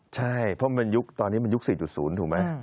ใช่เพราะมันยุคตอนนี้มันยุค๔๐ถูกไหม